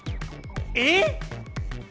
えっ！？